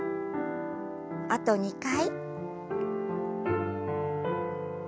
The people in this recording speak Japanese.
あと２回。